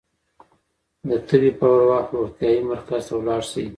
د تبې پر وخت روغتيايي مرکز ته لاړ شئ.